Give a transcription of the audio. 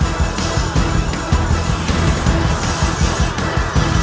kau agak buruk oldu wajahmu k feito kamu